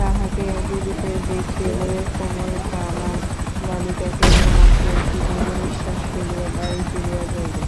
তাহাকে ডুবিতে দেখিলে কোমলপ্রাণা বালিকা কেবলমাত্র একটি দীর্ঘনিশ্বাস ফেলিয়া বাড়ি ফিরিয়া যাইবে।